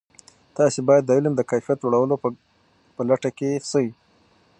تاسې باید د علم د کیفیت لوړولو په لټه کې سئ.